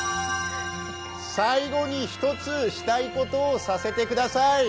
最後に１つしたいことをさせてください。